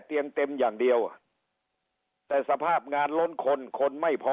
เตียงเต็มอย่างเดียวแต่สภาพงานล้นคนคนไม่พอ